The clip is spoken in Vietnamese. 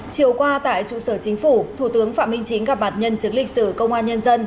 chiều qua tại trụ sở chính phủ thủ tướng phạm minh chính gặp mặt nhân chứng lịch sử công an nhân dân